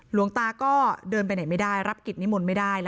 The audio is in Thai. หลวงตาก็เดินไปไหนไม่ได้รับกิจนิมนต์ไม่ได้